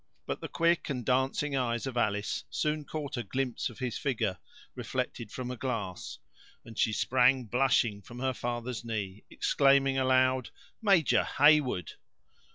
But the quick and dancing eyes of Alice soon caught a glimpse of his figure reflected from a glass, and she sprang blushing from her father's knee, exclaiming aloud: "Major Heyward!"